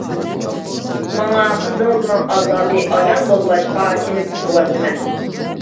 ماڭا قىزىڭىزنىڭ ئازابى ئايان بولغاچقا كېلىپ تۇرۇۋاتىمەن.